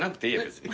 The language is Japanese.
別に。